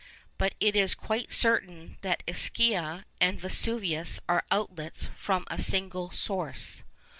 But it is quite certain that Ischia and Vesuvius are outlets from a single source.